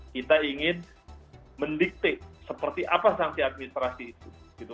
kita ingin mendiktik seperti apa sangsi administrasi itu